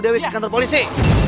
kita bisa naik ke kantor polisi